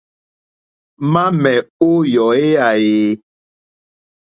Mamɛ̀ o yɔ̀eyà e?